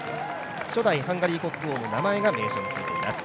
初代ハンガリー国王の名前が名称についています。